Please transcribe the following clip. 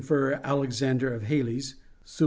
Alexander of Hales, Sum.